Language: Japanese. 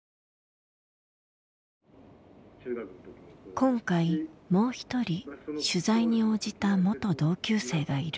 今回もう一人取材に応じた元同級生がいる。